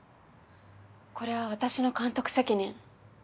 これは私の監督責任。